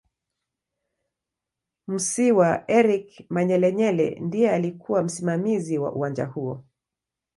Musiiwa Eric Manyelenyele ndiye aliyekuw msimamizi wa uwanja huo